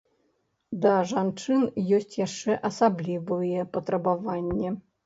Да жанчын ёсць яшчэ асаблівыя патрабаванні.